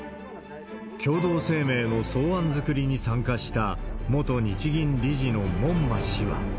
共同声明の草案作りに参加した、元日銀理事の門間氏は。